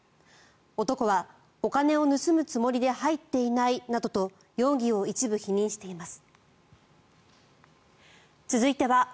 男は、お金を盗むつもりで入っていないなどと容疑を一部否認しています。